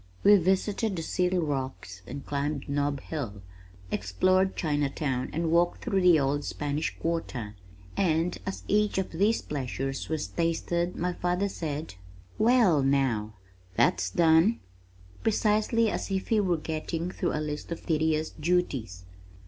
We visited the Seal Rocks and climbed Nob Hill, explored Chinatown and walked through the Old Spanish Quarter, and as each of these pleasures was tasted my father said, "Well now, that's done!" precisely as if he were getting through a list of tedious duties.